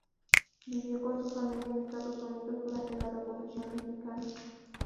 Vivió con su familia en Estados Unidos durante la Revolución mexicana.